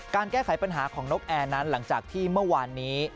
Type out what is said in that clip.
แก้ไขปัญหาของนกแอร์นั้นหลังจากที่เมื่อวานนี้